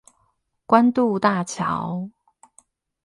關渡大橋